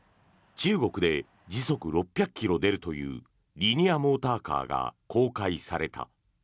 中国で時速６００ｋｍ出るというリニアモーターカーが公開された。